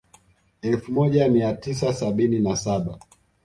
Elfu moja mia tisa sabini na saba